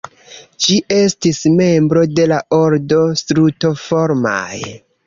Ĝi estis membro de la ordo Strutoformaj.